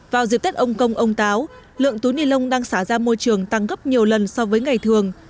vào dịp tết ông công ông táo lượng túi ni lông đang xả ra môi trường tăng gấp nhiều lần so với ngày thường